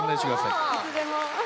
いつでも。